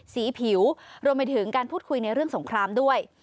สีผิวรวมไปถึงการพูดคุยในเรื่องสงครามด้วย